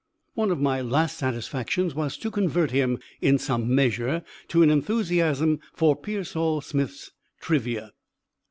One of my last satisfactions was to convert him (in some measure) to an enthusiasm for Pearsall Smith's "Trivia."